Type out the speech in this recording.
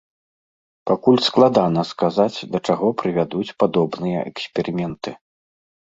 Пакуль складана сказаць, да чаго прывядуць падобныя эксперыменты.